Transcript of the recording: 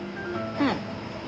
うん。